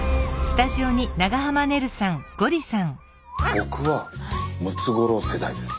僕はムツゴロウ世代です。